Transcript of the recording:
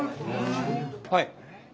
はい。